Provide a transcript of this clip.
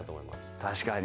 確かに。